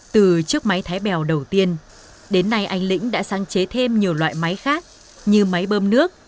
từ chiếc máy thái bèo đầu tiên đến nay anh lĩnh đã sáng chế thêm nhiều loại máy khác như máy bơm nước